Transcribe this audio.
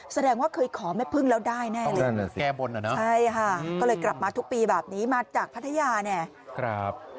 แสดงว่าเคยขอแม่พึ่งแล้วได้แน่เลยใช่ฮะก็เลยกลับมาทุกปีแบบนี้มาจากพัทยา